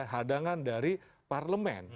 hadangan dari parlemen